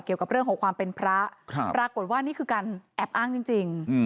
เกี่ยวกับเรื่องของความเป็นพระปรากฏว่านี่คือการแอบอ้างจริง